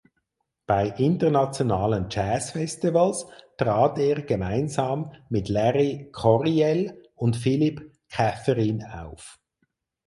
Bei internationalen Jazzfestivals trat er gemeinsam mit Larry Coryell und Philip Catherine auf.